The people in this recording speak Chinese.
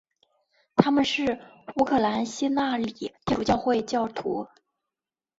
他们是乌克兰希腊礼天主教会教徒。